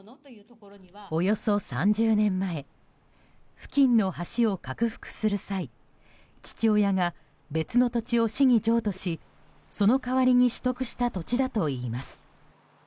およそ３０年前、付近の橋を拡幅する際父親が別の土地を市に譲渡しその代わりに取得した土地だといいます。